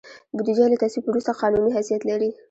بودیجه له تصویب وروسته قانوني حیثیت لري.